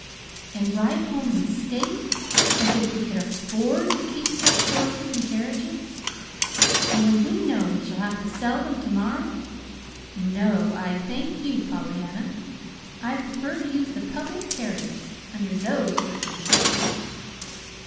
"And ride home in state, as if we could AFFORD to keep such horses and carriages? And when we know we shall have to sell them to morrow? No, I thank you, Pollyanna. I prefer to use the public carriage, under those circumstances."